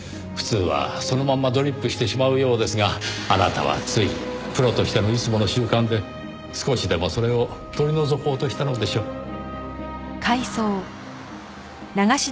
普通はそのままドリップしてしまうようですがあなたはついプロとしてのいつもの習慣で少しでもそれを取り除こうとしたのでしょう。